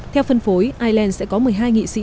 theo phân phối ireland sẽ có một mươi hai nghị sĩ